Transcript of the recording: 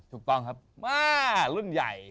ถูกต้องครับมารุ่นใหญ่